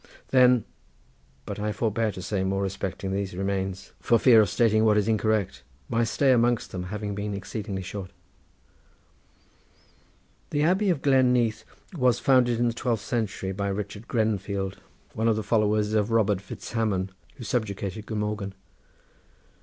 Then but I forbear to say more respecting these remains for fear of stating what is incorrect, my stay amongst them having been exceedingly short. The Abbey of Glen Neath was founded in the twelfth century by Richard Grenfield, one of the followers of Robert Fitzhamon, who subjugated Glamorgan.